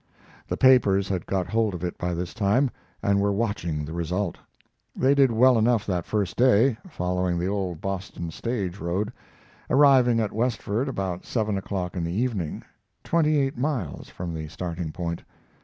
The papers had got hold of it by this time, and were watching the result. They did well enough that first day, following the old Boston stage road, arriving at Westford about seven o'clock in the evening, twenty eight miles from the starting point.